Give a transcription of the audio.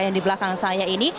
yang di belakang saya ini